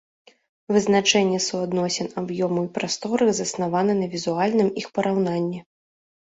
Вызначэнне суадносін аб'ёму і прасторы заснаваны на візуальным іх параўнанні.